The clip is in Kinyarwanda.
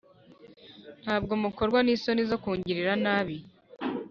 ntabwo mukorwa n’isoni zo kungirira nabi